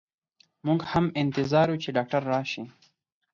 مو ږ هم انتظار يو چي ډاکټر راشئ.